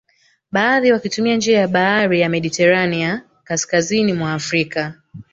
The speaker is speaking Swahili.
Baadhi wakitumia njia ya bahari ya Mediterania kaskazini mwa Afrika